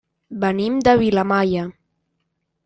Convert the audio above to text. Venim de Vilamalla.